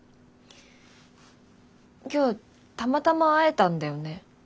今日たまたま会えたんだよね。